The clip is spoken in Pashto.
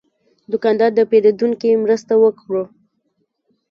دوکاندار د پیرودونکي مرسته وکړه.